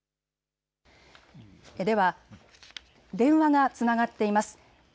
では電話がつながっています。